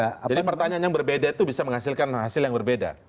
jadi pertanyaan yang berbeda itu bisa menghasilkan hasil yang berbeda